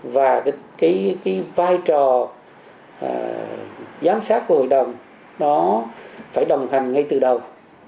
và cái vai trò giám sát của hội đồng nó phải đồng hành ngay từ đầu